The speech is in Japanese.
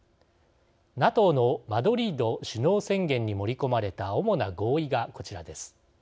ＮＡＴＯのマドリード首脳宣言に盛り込まれた主な合意がこちらです。